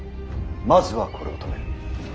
まずはこれを止める。